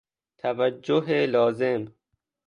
توجه لازم